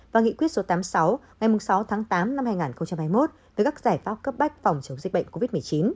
và nghị quyết số tám mươi sáu ngày sáu tháng tám năm hai nghìn hai mươi một với các giải pháp cấp bách phòng chống dịch bệnh covid một mươi chín